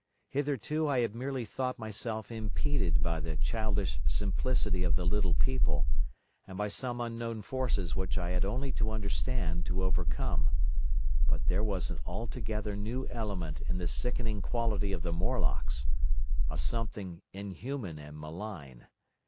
Hitherto I had merely thought myself impeded by the childish simplicity of the little people, and by some unknown forces which I had only to understand to overcome; but there was an altogether new element in the sickening quality of the Morlocks—a something inhuman and malign.